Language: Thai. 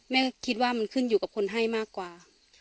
แม่คิดว่ามันขึ้นอยู่กับคนให้มากกว่า